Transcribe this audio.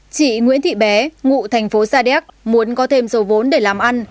chị nguyễn thị bé ngụ thành phố sa điếc muốn có thêm số vốn để làm ăn